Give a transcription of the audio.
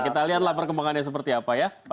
kita lihatlah perkembangannya seperti apa ya